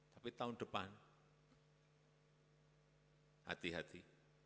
tapi tahun depan hati hati